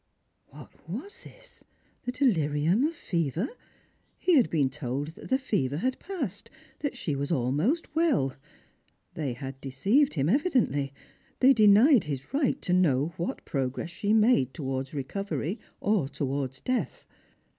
What was this P the delirium of fever ? He had been told that the fever had passed, that she was almost well. They had deceived him evidently ; they denied his right to know what pro gress she made towards recovery or towards death.